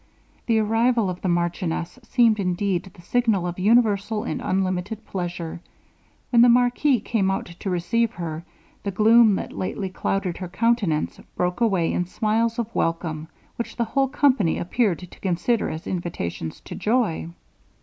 The arrival of the marchioness seemed indeed the signal of universal and unlimited pleasure. When the marquis came out to receive her, the gloom that lately clouded his countenance, broke away in smiles of welcome, which the whole company appeared to consider as invitations to joy.